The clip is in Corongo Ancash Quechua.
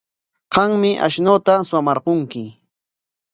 Qammi ashnuuta suwamarqunki.